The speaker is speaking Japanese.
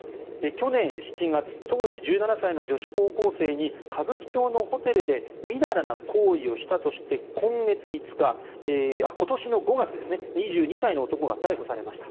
去年７月当時１７歳の女子高校生に歌舞伎町のホテルでみだらな行為をしたとして今年の５月２２歳の男が逮捕されました。